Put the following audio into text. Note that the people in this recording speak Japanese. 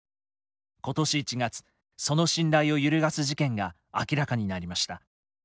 今年１月その信頼を揺るがす事件が明らかになりました。